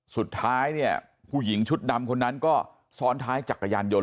สุดท้ายผู้หญิงชุดดำก็ซ้อนท้ายจักรยานยนต์